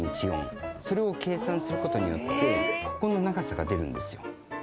それを計算する事によってここの長さが出るんですよ。